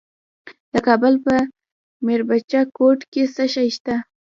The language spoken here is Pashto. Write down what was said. د کابل په میربچه کوټ کې څه شی شته؟